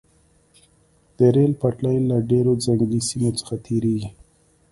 د ریل پټلۍ له ډیرو ځنګلي سیمو څخه تیریږي